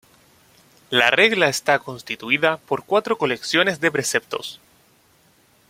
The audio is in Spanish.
La regla está constituida por cuatro colecciones de preceptos.